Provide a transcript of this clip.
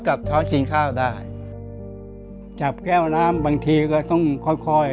กับเท้ากินข้าวได้จับแก้วน้ำบางทีก็ต้องค่อยค่อย